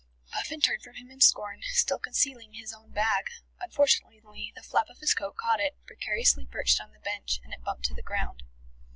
Puffin turned from him in scorn, still concealing his own bag. Unfortunately the flap of his coat caught it, precariously perched on the bench, and it bumped to the ground.